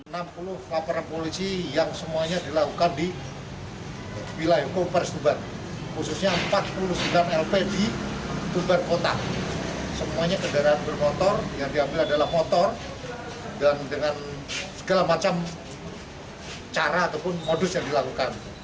dengan segala macam cara ataupun modus yang dilakukan